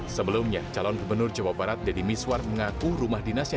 sebelumnya calon gubernur jawa barat deddy miswar mengaku rumah dinasnya